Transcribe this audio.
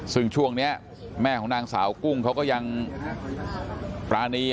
ซึ่งช่วงนี้แม่ของนางสาวกุ้งเขาก็ยังปรานี